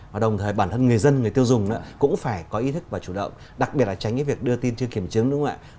và đồng thời bản thân người dân người tiêu dùng cũng phải có ý thức và chủ động đặc biệt là tránh cái việc đưa tin chưa kiểm chứng đúng không ạ